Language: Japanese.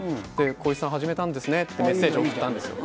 「浩市さん始めたんですね」ってメッセージ送ったんですよ。